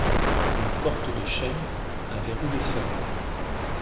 Une porte de chêne, un verrou de fer.